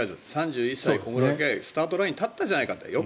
３１歳、小室圭スタートラインに立ったじゃないかと。